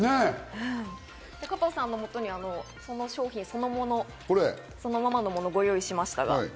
加藤さんの元にその商品そのままのものをご用意しました。